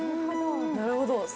なるほど。